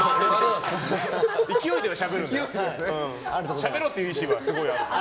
しゃべろうという意識はすごくある。